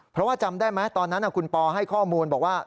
เพราะว่าจำได้ไหมตอนนั้นคุณปอให้ข้อมูลบอกว่า